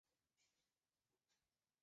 辖有第七。